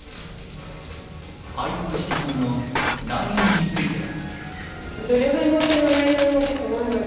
敗北したものの内容については。